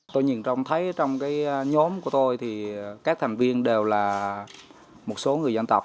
tôi nhìn trông thấy trong nhóm của tôi thì các thành viên đều là một số người dân tộc